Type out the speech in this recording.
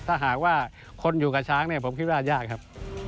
ถ้าหากว่าคนอยู่กับช้างเนี่ยผมคิดว่ายากครับ